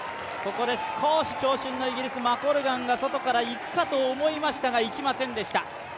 ここで長身のイギリス、マコルガンが外から行くかと思いましたがいきませんでした。